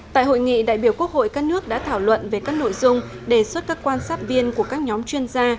tại hội nghị đại biểu quốc hội các nước đã thảo luận về các nội dung đề xuất các quan sát viên của các nhóm chuyên gia